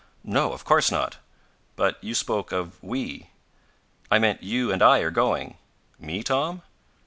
"No, of course not." "But you spoke of 'we.'" "I meant you and I are going." "Me, Tom?"